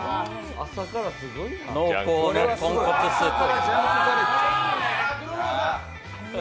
濃厚の豚骨スープ。